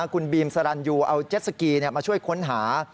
คุณบีมสรรยูเอาเจ็ดสกีมาช่วยค้นหา